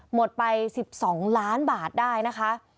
หมดไป๑๒ล้านบาทได้นะคะ